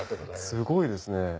すごいですね。